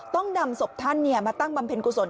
ต้องนำศพท่านมาตั้งบำเพ็ญกุศล